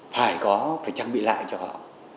phải có phải trang bị lại cho họ